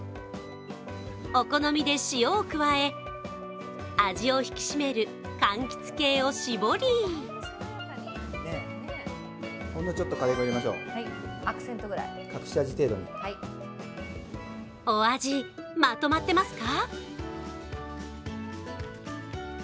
お好みで塩を加え、味を引き締めるかんきつ系を絞りほんのちょっとカレー粉を入れましょう、お味、まとまってますか？